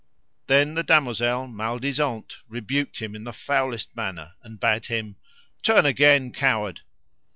Then the damosel Maledisant rebuked him in the foulest manner, and bade him: Turn again, coward.